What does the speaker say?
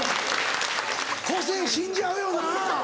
個性死んじゃうよな。